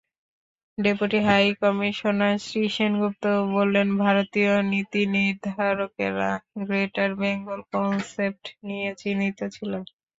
Deputy high commissioner Shri Sengupta বললেন, ভারতীয় নীতিনির্ধারকেরা গ্রেটার বেঙ্গল কনসেপ্ট নিয়ে চিন্তিত ছিলেন।